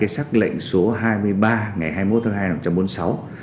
sắc lệnh số hai mươi ba ngày hai mươi một tháng hai năm hai nghìn một mươi bốn